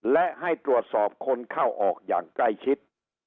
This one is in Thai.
และให้ตรวจสอบคนเข้าออกอย่างใกล้ชิด